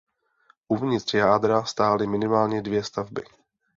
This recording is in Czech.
Uvnitř jádra stály minimálně dvě stavby.